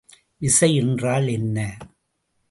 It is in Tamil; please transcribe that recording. விசை என்றால் என்ன?